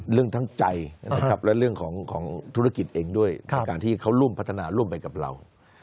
ทั้งใจนะครับและเรื่องของธุรกิจเองด้วยในการที่เขาร่วมพัฒนาร่วมไปกับเรา